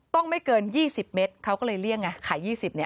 ๒ต้องไม่เกิน๒๐เม็ดเขาก็เลยเรียกไงขาย๒๐เนี่ย